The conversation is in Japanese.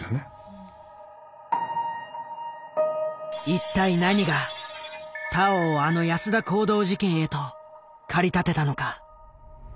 一体何が田尾をあの安田講堂事件へと駆り立てたのか？